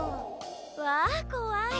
わこわい。